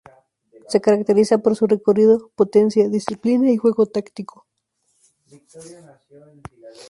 Se caracteriza por su recorrido, potencia, disciplina y juego táctico.